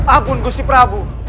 agung gusti prabu